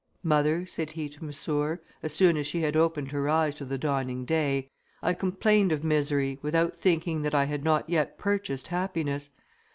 "Mother," said he to Missour, as soon as she had opened her eyes to the dawning day, "I complained of misery without thinking that I had not yet purchased happiness.